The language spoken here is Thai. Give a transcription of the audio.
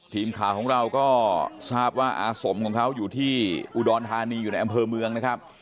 ทีมข่าวของเราก็ทราบว่าอาสมของเขาอยู่ที่อุดรธานีอยู่ในอำเภอเมืองนะครับ